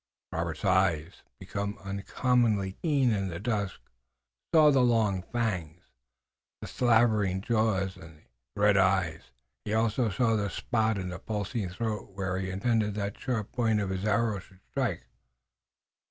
Robert's eyes, become uncommonly keen in the dusk, saw the long fangs, the slavering jaws and the red eyes, and he also saw the spot in the pulsing throat where he intended that the sharp point of his arrow should strike.